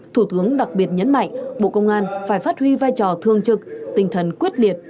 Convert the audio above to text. thủ tướng đặc biệt nhấn mạnh bộ công an phải phát huy vai trò thương trực tinh thần quyết liệt